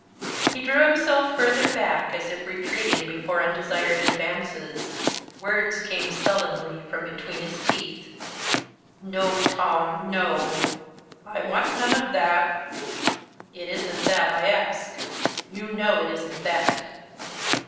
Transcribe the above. He drew himself further back, as if retreating before undesired advances. Words came sullenly from between his teeth. "No, Tom, no I want none of that. It isn't that I ask; you know it isn't that."